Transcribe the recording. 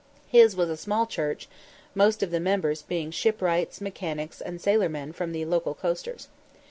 His was a small church, most of the members being shipwrights, mechanics, and sailormen from the local coasters.